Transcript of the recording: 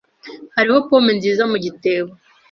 Hariho pome nziza mu gitebo.